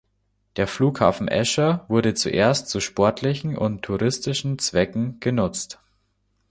Der Flughafen Escher wurde zuerst zu sportlichen und touristischen Zwecken genutzt.